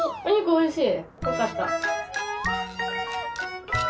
おいしい。